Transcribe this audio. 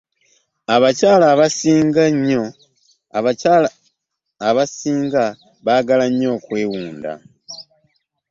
Abakyala abasinga baagala nyo okwewunda.